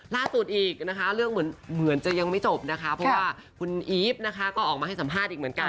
ล่าสุดอีกนะคะเรื่องเหมือนจะยังไม่จบนะคะเพราะว่าคุณอีฟนะคะก็ออกมาให้สัมภาษณ์อีกเหมือนกัน